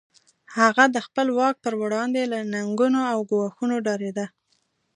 هغه د خپل واک پر وړاندې له ننګونو او ګواښونو ډارېده.